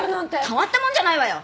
たまったもんじゃないわよ！